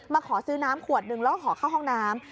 ขอซื้อน้ำขวดนึงแล้วก็ขอเข้าห้องน้ำ